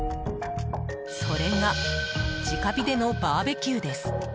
それが直火でのバーベキューです。